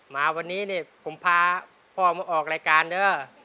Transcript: มาวันนี้นี่ผมพาพ่อมาออกรายการเด้อ